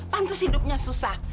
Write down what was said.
pantes hidupnya susah